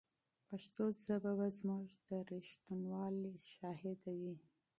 پښتو ژبه به زموږ د صداقت شاهده وي.